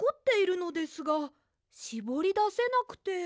しぼりだせなくて。